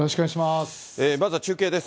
まずは中継です。